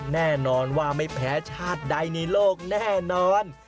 แน่นอนว่าไม่แพ้ชาติใดในโลกแน่นอน